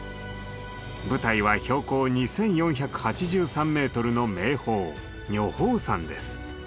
舞台は標高２，４８３メートルの名峰女峰山です。